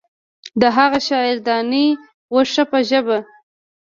د هغه شاعر دانې وشه په ژبه.